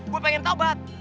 gue pengen taubat